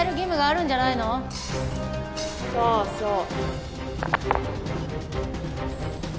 そうそう。